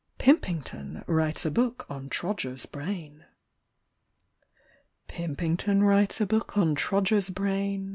" Pimpington writes a book on Trodger's brain. Pimpington writes a book on Trodger's brain.